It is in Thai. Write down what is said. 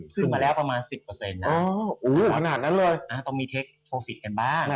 ขึ้นมาแล้วประมาณ๑๐ต้องมีเทคโฟฟิตกันบ้าง